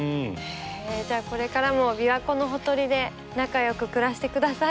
じゃあこれからも琵琶湖のほとりで仲良く暮らしてくださいね。